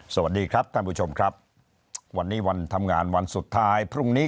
สวัสดีครับท่านผู้ชมครับวันนี้วันทำงานวันสุดท้ายพรุ่งนี้